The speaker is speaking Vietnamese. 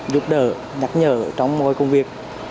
giúp đỡ nhắc nhở trong mọi công việc